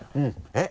えっ？